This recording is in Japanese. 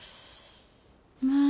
まあ。